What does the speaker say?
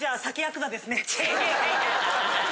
いやいや。